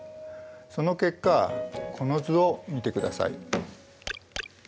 その結果この図を見てください。